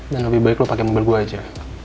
dan lebih baik lo pake mobil gue aja